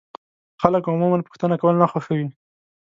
خلک عموما پوښتنه کول نه خوښوي.